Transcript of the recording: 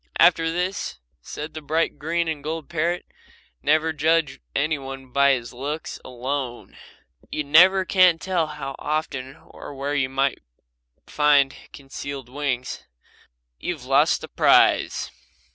"After this," said the bright green and gold parrot, "never judge any one by his looks alone. You never can tell how often or where you may find concealed wings. You have lost the prize."